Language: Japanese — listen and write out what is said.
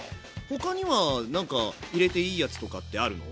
他にはなんか入れていいやつとかってあるの？